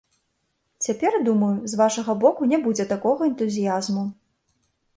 Цяпер, думаю, з вашага боку не будзе такога энтузіязму.